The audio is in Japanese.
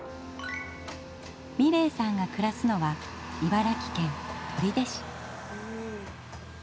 美礼さんが暮らすのは茨城県取手市。